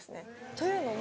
というのも。